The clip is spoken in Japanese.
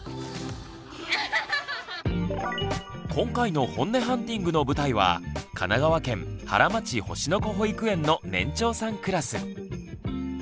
今回のホンネハンティングの舞台は神奈川県原町星の子保育園の年長さんクラス。